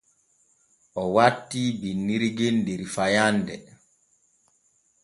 O wattii binnirgel der fayande.